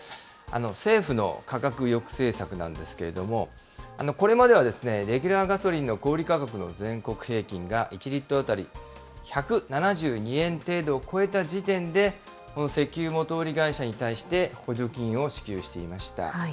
政府の価格抑制策なんですけれども、これまではレギュラーガソリンの小売り価格の全国平均が１リットル当たり１７２円程度を超えた時点で、この石油元売り会社に対して、補助金を支給していました。